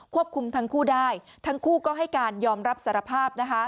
คุมทั้งคู่ได้ทั้งคู่ก็ให้การยอมรับสารภาพ